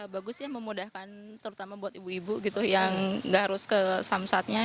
bagus ya memudahkan terutama buat ibu ibu gitu yang nggak harus ke samsatnya